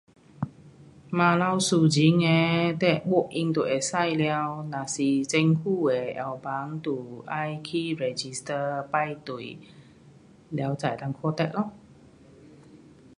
晚头私人的 walk-in 就可以了。若是政府的药房就要去 register，排队，了才能够看病咯。